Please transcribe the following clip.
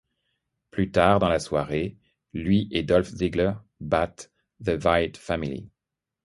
Plus tard dans la soirée, lui et Dolph Ziggler battent The Wyatt Family.